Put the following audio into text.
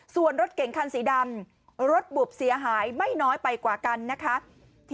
ส่วนรถเก่งคันสีดำรถบุบเสียหายไม่น้อยไปกว่ากันนะคะ